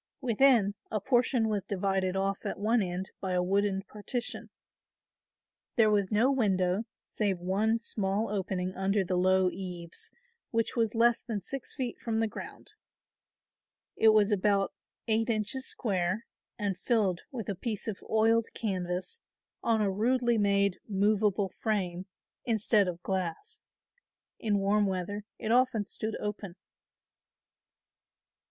Within, a portion was divided off at one end by a wooden partition. There was no window save one small opening under the low eaves which was less than six feet from the ground. It was about eight inches square and filled with a piece of oiled canvas on a rudely made movable frame instead of glass. In warm weather it often stood open.